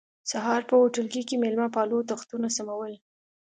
سهار په هوټلګي کې مېلمه پالو تختونه سمول.